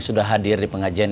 aku akan menganggap